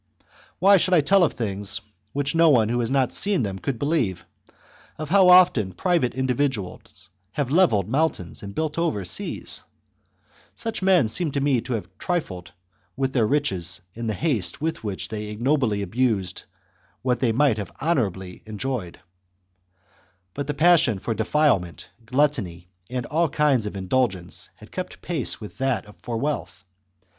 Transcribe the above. Why should I tell of things chap. which no one who has not seen them could believe, of how often private individuals have levelled mountains and built over seas ? Such men seem to me to have trifled with their riches in the haste with which they ignobly N^used what they might honourably have enjoyed. But the passion for defilement, gluttony, and all other kinds of indulgence, had kept pace with that for wealth.